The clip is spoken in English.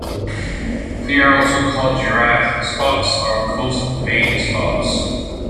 They are also called "giraffe spots" or "coast of Maine spots".